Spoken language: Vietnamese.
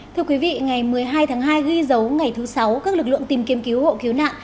thưa quý vị ngày một mươi hai tháng hai ghi dấu ngày thứ sáu các lực lượng tìm kiếm cứu hộ cứu nạn